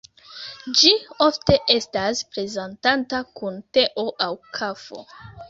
Ĝi ofte estas prezentata kun teo aŭ kafo.